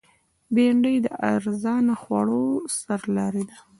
بېنډۍ د ارزانه خوړو سرلاری ده